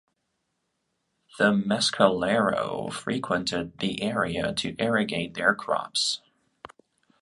The Mescalero frequented the area to irrigate their crops.